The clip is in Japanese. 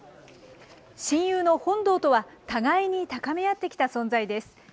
親友の本堂とは互いに高め合ってきた存在です。